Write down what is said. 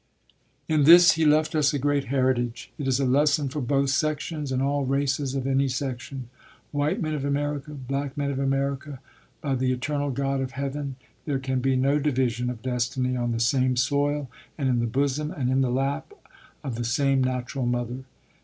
In this he left us a great heritage; it is a lesson for both sections, and all races of any section. White men of America, black men of America, by the eternal God of heaven, there can be no division of destiny on the same soil and in the bosom and in the lap of the same natural mother.